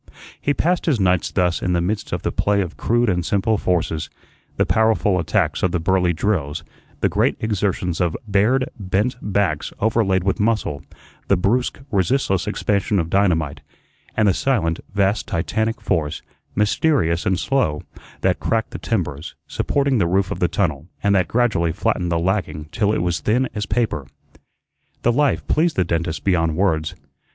He passed his nights thus in the midst of the play of crude and simple forces the powerful attacks of the Burly drills; the great exertions of bared, bent backs overlaid with muscle; the brusque, resistless expansion of dynamite; and the silent, vast, Titanic force, mysterious and slow, that cracked the timbers supporting the roof of the tunnel, and that gradually flattened the lagging till it was thin as paper. The life pleased the dentist beyond words.